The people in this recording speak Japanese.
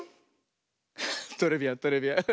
トレビアントレビアン。